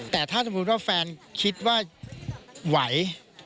แต่ถ้าสมมุติว่าแฟนคิดว่าไหว